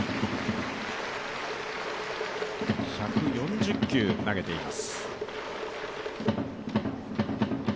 １４０球、投げています。